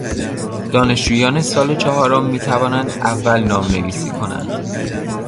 دانشجویان سال چهارم میتوانند اول نام نویسی کنند.